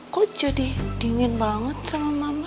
kok jadi dingin banget sama mama